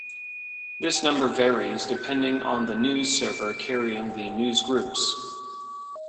This number varies, depending on the news server carrying the newsgroups.